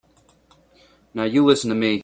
Now you listen to me.